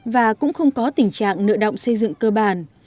và cũng không có tình trạng nợ động xây dựng cơ bản